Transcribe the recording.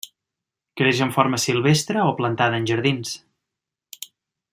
Creix en forma silvestre o plantada en jardins.